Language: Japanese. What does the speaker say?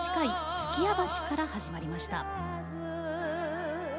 数寄屋橋から始まりました。